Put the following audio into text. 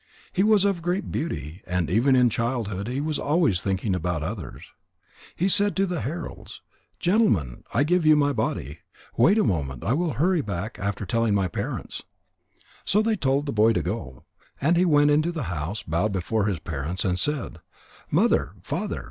He was of great beauty, and even in childhood he was always thinking about others. He said to the heralds: "Gentlemen, I will give you my body. Wait a moment. I will hurry back after telling my parents." So they told the boy to go. And he went into the house, bowed before his parents, and said: "Mother! Father!